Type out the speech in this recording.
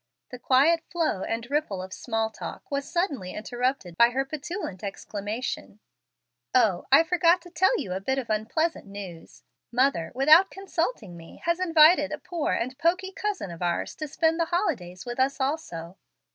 The quiet flow and ripple of small talk was suddenly interrupted by her petulant exclamation: "Oh! I forgot to tell you a bit of unpleasant news. Mother, without consulting me, has invited a poor and poky cousin of ours to spend the holidays with us also.